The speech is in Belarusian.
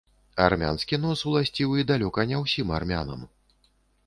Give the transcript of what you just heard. Армянскі нос уласцівы далёка не ўсім армянам.